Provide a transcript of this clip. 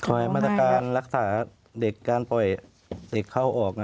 มาตรการรักษาเด็กการปล่อยเด็กเข้าออก